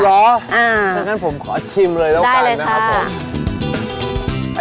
เหรออย่างงั้นผมขอชิมเลยแล้วกันนะครับได้เลยค่ะ